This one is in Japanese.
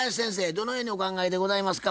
どのようにお考えでございますか？